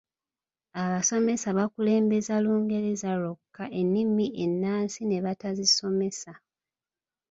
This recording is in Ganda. Abasomesa bakulembeza Lungereza lwokka ennimi ennansi ne batazisomesa.